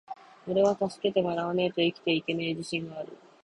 ｢おれは助けてもらわねェと生きていけねェ自信がある!!!｣